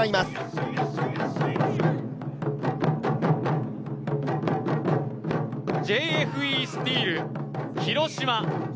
ＪＦＥスチール・広島。